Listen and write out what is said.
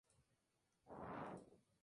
Cuando está feliz, rebosa de felicidad.